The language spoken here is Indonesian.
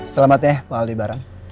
selamat ya pak aldebaran